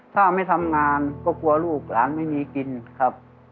ถ้าไม่ทำงานก็กลัวลูกหลานไม่มีกินครับ